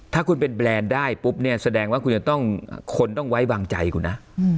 ถ้าคุณเป็นแบรนด์ได้ปุ๊บเนี่ยแสดงว่าคุณจะต้องคนต้องไว้วางใจคุณนะ